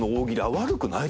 悪くない。